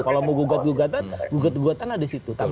kalau mau gugat gugatan gugat gugatan ada di situ